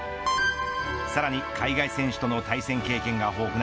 さらに海外選手との対戦経験が豊富な